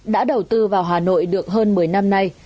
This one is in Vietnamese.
đã đầu tư vào hà nội được hơn một mươi năm nay